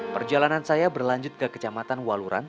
perjalanan saya berlanjut ke kecamatan waluran